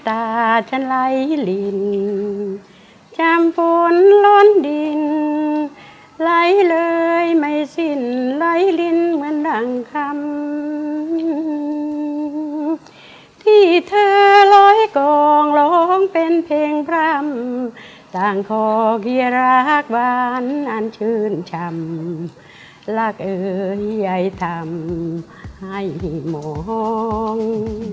เธอยายทำให้มอง